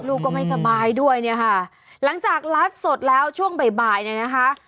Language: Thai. ลูกก็ไม่สบายด้วยเนี่ยค่ะหลังจากไลฟ์สดแล้วช่วงบ่ายบ่ายเนี่ยนะคะ